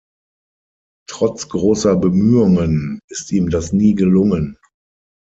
Trotz großer Bemühungen ist ihm das nie gelungen.